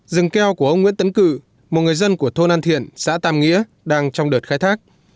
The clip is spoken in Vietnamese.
rừng keo của ông nguyễn tấn cử một người dân của thôn an thiện xã tam nghĩa đang trong đợt khai thác